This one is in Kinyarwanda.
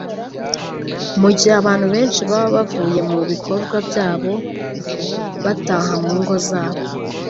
Mu gihe abantu benshi baba bavuye mu bikorwa byabo bataha mu ngo zabo